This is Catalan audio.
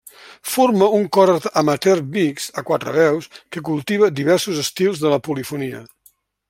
Forma un cor amateur mixt a quatre veus que cultiva diversos estils de la polifonia.